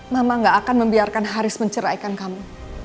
mama gak akan membiarkan haris menceraikan kamu